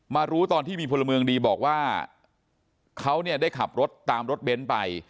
รู้ตอนที่มีพลเมืองดีบอกว่าเขาเนี่ยได้ขับรถตามรถเบ้นไป